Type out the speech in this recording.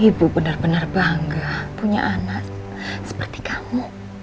ibu benar benar bangga punya anak seperti kamu